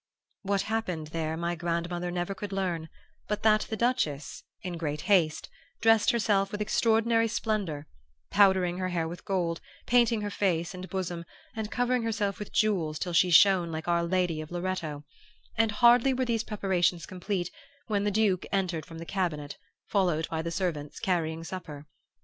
"What happened there my grandmother could never learn, but that the Duchess, in great haste, dressed herself with extraordinary splendor, powdering her hair with gold, painting her face and bosom, and covering herself with jewels till she shone like our Lady of Loreto; and hardly were these preparations complete when the Duke entered from the cabinet, followed by the servants carrying supper.